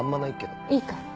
いいから！